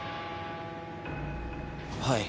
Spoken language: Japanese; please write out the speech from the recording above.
はい。